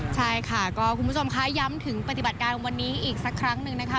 ใช่ค่ะก็คุณผู้ชมค่ะย้ำถึงปฏิบัติการวันนี้อีกสักครั้งหนึ่งนะคะ